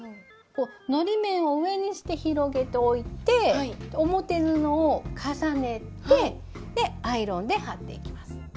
のり面を上にして広げておいて表布を重ねてアイロンで貼っていきます。